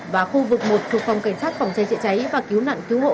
và khu vực một thuộc phòng cảnh sát phòng cháy chữa cháy và cứu nạn cứu hộ